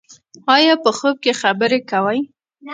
ایا په خوب کې خبرې کوئ؟